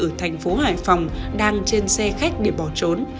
ở thành phố hải phòng đang trên xe khách để bỏ trốn